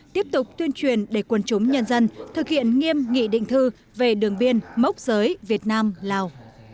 tiếp tục tuyên truyền để quân chúng nhân dân thực hiện nghiêm nghị định thư về đường biên mốc giới việt nam lào